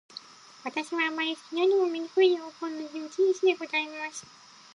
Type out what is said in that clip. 私は生れつき、世にも醜い容貌の持主でございます。